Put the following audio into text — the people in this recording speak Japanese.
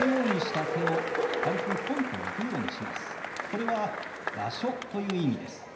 これは「場所」という意味です。